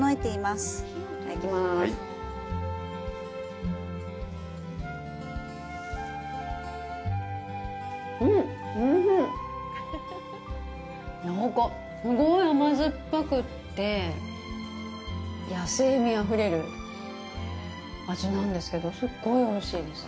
すごい甘酸っぱくって野性味あふれる味なんですけどすっごいおいしいです。